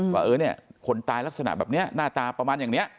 ว่าเออเนี่ยคนตายลักษณะแบบนี้หน้าตาประมาณอย่างนี้